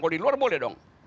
kalau di luar boleh dong